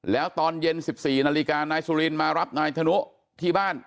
แล้วตอนเย็น๑๔นาฬิกานายสุรินมารับนายธนุที่บ้าน